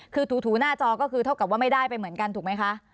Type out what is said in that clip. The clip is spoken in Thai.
คือถูหน้าจอก็คือเท่ากับว่าไม่ได้ไปเหมือนกันถูกไหมคะ